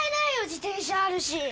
自転車あるし。